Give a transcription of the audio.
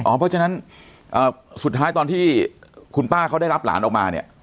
เพราะฉะนั้นสุดท้ายตอนที่คุณป้าเขาได้รับหลานออกมาเนี่ย